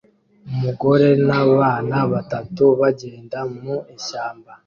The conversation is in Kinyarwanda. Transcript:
umugore n'abana batatu bagenda mu ishyamba